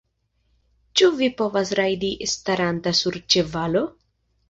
Ĉu vi povas rajdi staranta sur ĉevalo?